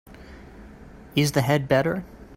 Is the head better?